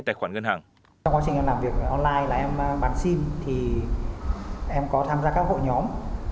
trong quá trình em làm việc online là em bán sim thì em có tham gia các hội nhóm